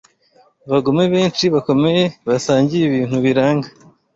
Abagome benshi bakomeye basangiye ibintu biranga